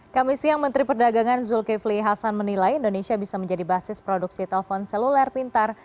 kami siang menteri perdagangan zulkifli hasan menilai indonesia bisa menjadi basis produksi telpon seluler pintar